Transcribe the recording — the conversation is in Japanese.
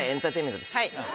はい。